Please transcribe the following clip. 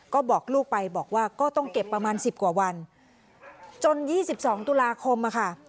ก็บอกลูกไปบอกว่าก็ต้องเก็บประมาณ๑๐กว่าวันจน๒๒ตุลาคมอะค่ะ